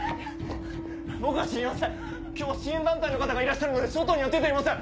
僕は知りません今日は支援団体の方がいらっしゃるので外には出ていません。